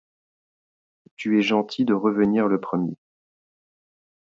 Tu es gentil de revenir le premier.